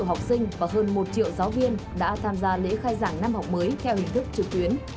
học sinh và hơn một triệu giáo viên đã tham gia lễ khai giảng năm học mới theo hình thức trực tuyến